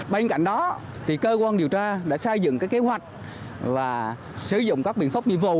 bên cạnh đó cơ quan điều tra đã xây dựng kế hoạch là sử dụng các biện pháp nghiệp vụ